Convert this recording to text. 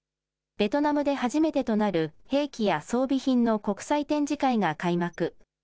ベトナムで初めてとなる兵器や装備品の国際展示会が開幕。